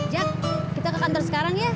jak kita ke kantor sekarang ya